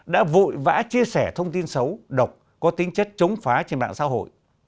đã vội vã chia sẻ thông tin xấu độc có tính chất chống phá trên mạng xã hội